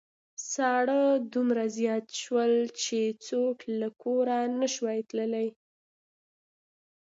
ساړه دومره زيات شول چې څوک له کوره نشوای تللای.